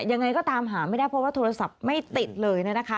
ยังไงก็ตามหาไม่ได้เพราะว่าโทรศัพท์ไม่ติดเลยนะคะ